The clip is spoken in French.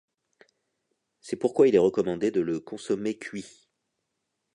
C'est pourquoi il est recommandé de le consommer cuit.